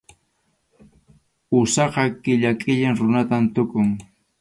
Usaqa qilla qhilli runatam tukun.